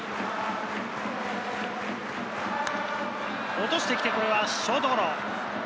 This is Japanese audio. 落としてきて、これはショートゴロ。